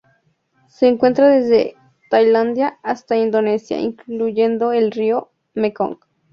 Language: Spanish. Se encuentra desde Tailandia hasta Indonesia, incluyendo el río Mekong.